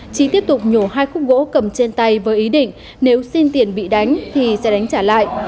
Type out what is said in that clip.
trí tiếp tục nhổ hai khúc gỗ cầm trên tay với ý định nếu xin tiền bị đánh thì sẽ đánh trả lại